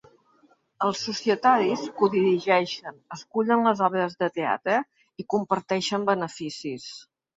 Els societaris codirigeixen, escullen les obres de teatre i comparteixen beneficis.